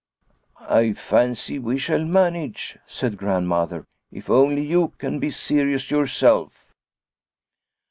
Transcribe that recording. " I fancy we shall manage," said Grand mother, " if only you can be serious yourself."